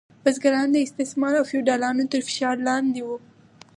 بزګران د استثمار او فیوډالانو تر فشار لاندې وو.